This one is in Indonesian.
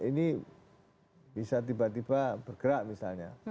ini bisa tiba tiba bergerak misalnya